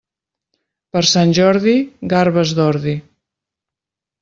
Per Sant Jordi, garbes d'ordi.